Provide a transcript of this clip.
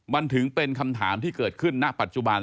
มันถึงเป็นคำถามที่เกิดขึ้นณปัจจุบัน